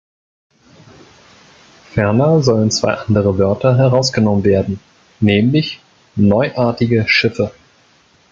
Ferner sollen zwei andere Wörter herausgenommen werden, nämlich "neuartige Schiffe" .